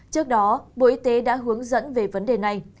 trước đó bộ y tế đã hướng dẫn về vấn đề này